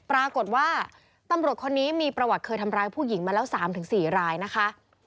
ปรากฏว่าตำรวจคนนี้มีประวัติเคยทำร้ายผู้หญิงมาแล้ว๓๔รายนะคะ